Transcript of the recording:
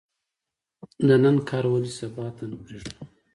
د نن کار ولې سبا ته نه پریږدو؟